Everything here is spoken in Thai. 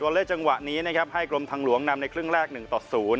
เล่จังหวะนี้นะครับให้กรมทางหลวงนำในครึ่งแรก๑ต่อ๐